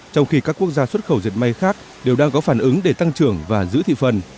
trong khi các quốc gia xuất khẩu dệt may khác đều đang có phản ứng để tăng trưởng và giữ thị phần